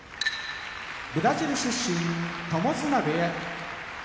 ブラジル出身友綱部屋